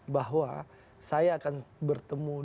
bahwa saya akan bertemu